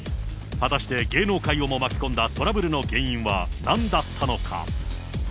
果たして芸能界をも巻き込んだトラブルの原因はなんだったのか。